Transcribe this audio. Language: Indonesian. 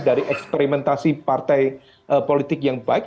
dari eksperimentasi partai politik yang baik